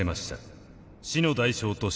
死の代償として。